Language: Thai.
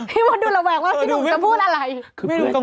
มดดูระแวงว่าพี่หนุ่มจะพูดอะไร